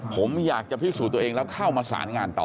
ผมอยากจะพิสูจน์ตัวเองแล้วเข้ามาสารงานต่อ